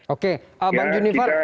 oke bang junifat